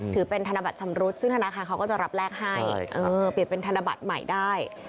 ถือเป็นธนบัตรชำรุดซึ่งธนาคารเขาก็จะรับแรกให้เปลี่ยนเป็นธนบัตรใหม่ได้